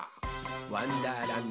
わんだーらん